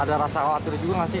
ada rasa khawatir juga nggak sih